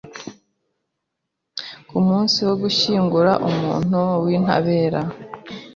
kumunsi wo gushyingura umuntu wintabera